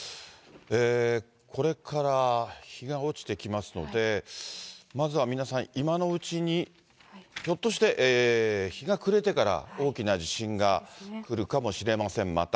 これから日が落ちてきますので、まずは皆さん、今のうちに、ひょっとして日が暮れてから大きな地震が来るかもしれません、また。